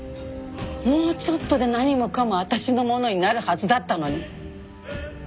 もうちょっとで何もかも私のものになるはずだったのに。